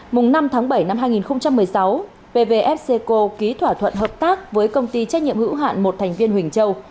mùng năm tháng bảy năm hai nghìn một mươi sáu pvfc ký thỏa thuận hợp tác với công ty trách nhiệm hữu hạn một thành viên huỳnh châu